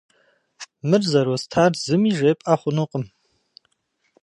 Мыр зэростар зыми жепӏэ хъунукъым.